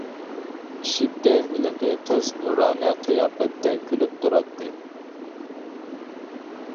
ئىشىكتە ھېلىقى قىز نۇرانە قىياپەتتە كۈلۈپ تۇراتتى.